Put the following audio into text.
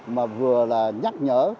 mà vừa là nhắc nhở